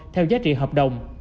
theo giá trị hợp đồng